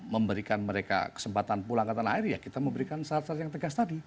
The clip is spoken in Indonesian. memberikan mereka kesempatan pulang ke tanah air ya kita memberikan syarat syarat yang tegas tadi